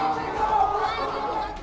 bapak bapak kita akan berusaha